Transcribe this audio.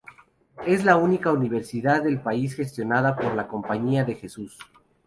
Es la única universidad del país gestionada por la Compañía de Jesús.